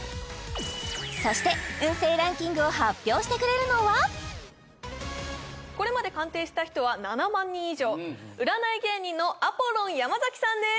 そして運勢ランキングを発表してくれるのはこれまで鑑定した人は７万人以上占い芸人のアポロン山崎さんです